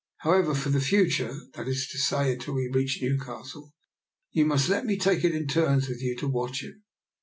However, for the future — that is to say, until we reach Newcastle — ^you must let me take it in turns with you to watch him."